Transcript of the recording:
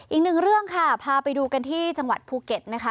อีกหนึ่งเรื่องค่ะพาไปดูกันที่จังหวัดภูเก็ตนะคะ